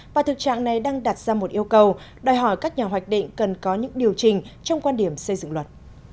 và thực trạng này đang đặt ra một yêu cầu đòi hỏi các nhà hoạch định cần có những điều chỉnh trong quan điểm xây dựng luật